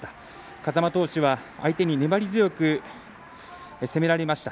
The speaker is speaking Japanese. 風間投手は相手に粘り強く攻められました。